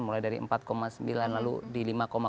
mulai dari empat sembilan lalu di lima dua lima tiga